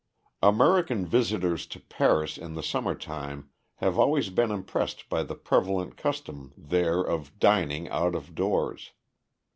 American visitors to Paris in the summer time have always been impressed by the prevalent custom there of dining out of doors.